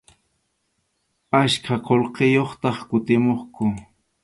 Achka qullqiyuqtaq kutimuqku.